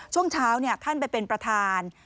ช่วงเช้าท่านไปเป็นประธาน